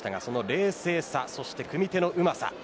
冷静さ、そして組み手のうまさ